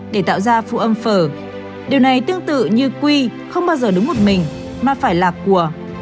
để tạo ra phụ âm phở điều này tương tự như quy không bao giờ đúng một mình mà phải lạc của